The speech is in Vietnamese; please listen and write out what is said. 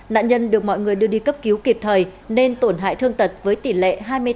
nạn nhân được mọi người đưa đi cấp cứu kịp thời nên tổn hại thương tật với tỷ lệ hai mươi bốn